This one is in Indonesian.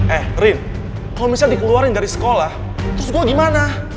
eh rin kalau misalnya dikeluarin dari sekolah terus gue gimana